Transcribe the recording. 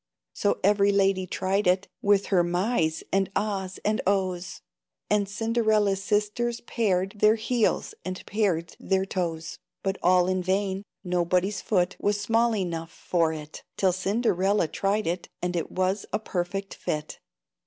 So every lady tried it, With her "Mys!" and "Ahs!" and "Ohs!" And Cinderella's sisters pared Their heels, and pared their toes, But all in vain! Nobody's foot Was small enough for it, Till Cinderella tried it, And it was a perfect fit.